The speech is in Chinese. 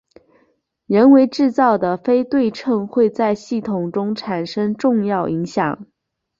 人为制造的非对称会在系统中产生重要影响。